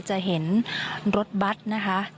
จะเห็นรถบัตรนะคะ